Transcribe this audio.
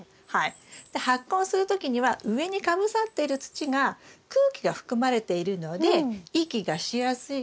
で発根する時には上にかぶさっている土が空気が含まれているので息がしやすいから発根しやすい。